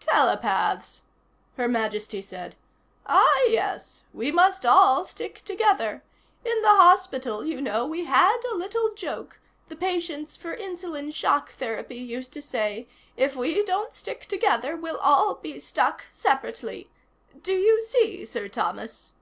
"Telepaths," Her Majesty said. "Ah, yes. We must all stick together. In the hospital, you know, we had a little joke the patients for Insulin Shock Therapy used to say: 'If we don't stick together, we'll all be stuck separately.' Do you see, Sir Thomas?"